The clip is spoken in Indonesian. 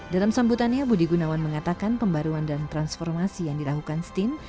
dalam sambutannya budi gunawan mengatakan pembaruan dan transformasi yang dilakukan stin